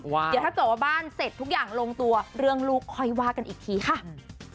เดี๋ยวถ้าเกิดว่าบ้านเสร็จทุกอย่างลงตัวเรื่องลูกค่อยว่ากันอีกทีค่ะ